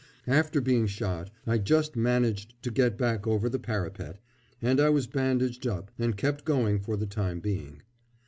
After being shot I just managed to get back over the parapet, and I was bandaged up and kept going for the time being.